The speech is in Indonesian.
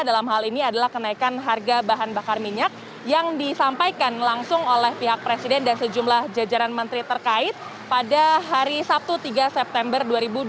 dalam hal ini adalah kenaikan harga bahan bakar minyak yang disampaikan langsung oleh pihak presiden dan sejumlah jajaran menteri terkait pada hari sabtu tiga september dua ribu dua puluh